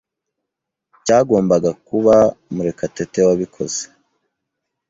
Byagombaga kuba Murekatete wabikoze.